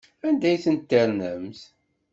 Anda ay tent-ternamt?